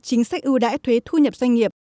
chính sách ưu đãi thuế thu nhập doanh nghiệp